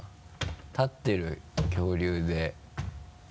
立ってる恐竜で。